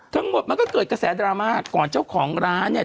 ทั้งหมดมันก็เกิดกระแสดรามาคตก่อนเจ้าของร้านเนี่ย